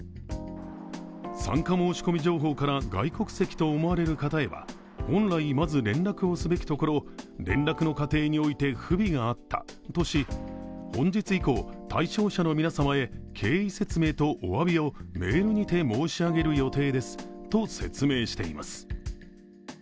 参加申し込み情報から外国籍と思われる方へは本来まず連絡をすべきところ、連絡の過程において不備があったとし、本日以降、対象者の皆様へ経緯説明とお詫びをメールにて申し上げる予定ですと説明しています。